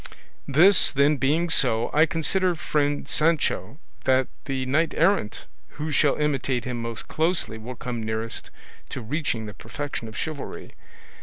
This, then, being so, I consider, friend Sancho, that the knight errant who shall imitate him most closely will come nearest to reaching the perfection of chivalry.